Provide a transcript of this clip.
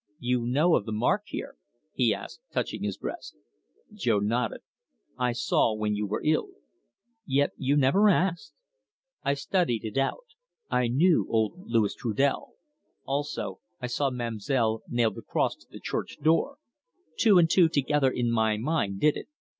"You know of the mark here?" he asked, touching his breast. Jo nodded. "I saw, when you were ill." "Yet you never asked!" "I studied it out I knew old Louis Trudel. Also, I saw ma'm'selle nail the cross to the church door. Two and two together in my mind did it.